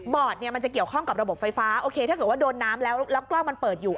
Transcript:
เนี่ยมันจะเกี่ยวข้องกับระบบไฟฟ้าโอเคถ้าเกิดว่าโดนน้ำแล้วแล้วกล้องมันเปิดอยู่